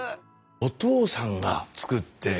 お父さんが作ってくれる。